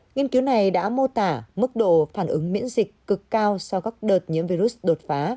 nghiên cứu này đã mô tả mức độ phản ứng miễn dịch cực cao sau các đợt nhiễm virus đột phá